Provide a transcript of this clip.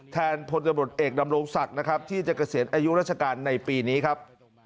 พลตำรวจเอกดำรงศักดิ์นะครับที่จะเกษียณอายุราชการในปีนี้ครับ